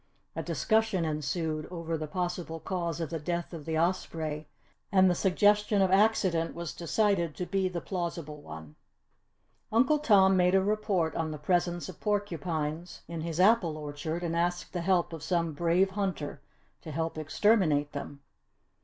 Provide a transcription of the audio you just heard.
A discussion ensued over the possible cause of the death of the osprey and the suggestion of accident was decided to be the plausible one. Uncle Tom made a report on the presence of porcupines in his apple orchard and asked the help of some brave hunter to help exterminate them.